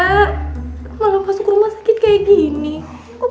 ya kamu tuh kenapa susah banget dibilangin gak